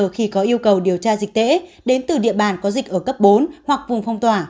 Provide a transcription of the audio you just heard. khi có yêu cầu điều tra dịch tễ đến từ địa bàn có dịch ở cấp bốn hoặc vùng phong tỏa